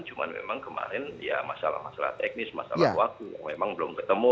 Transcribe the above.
cuma memang kemarin ya masalah masalah teknis masalah waktu yang memang belum ketemu